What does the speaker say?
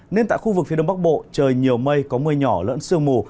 nên tại khu vực phía đông bắc bộ trời nhiều mây có mưa nhỏ lẫn sương mù